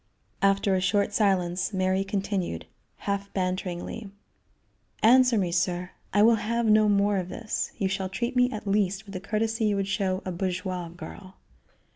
After a short silence, Mary continued, half banteringly: "Answer me, sir! I will have no more of this. You shall treat me at least with the courtesy you would show a bourgeoise girl."